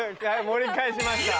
盛り返しました。